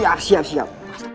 siap siap siap